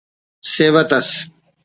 سیوت ئس